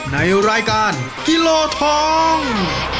ในรายการกิโลทอง